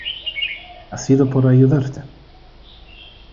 ha sido por ayudarte.